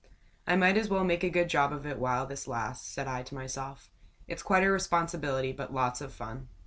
"I might as well make a good job of it while this lasts," said I to myself. "It's quite a responsibility, but lots of fun."